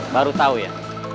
baru tahu ya